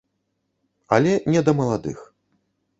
Але не да маладых.